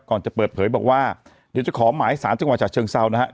ก่อนจะเปิดเผยบอกว่าเดี๋ยวจะขอหมายสารจังหวัดฉะเชิงเซานะครับ